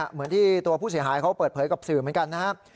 เหมือนที่ตัวผู้เสียหายเขาเปิดเผยกับสื่อเหมือนกันนะครับ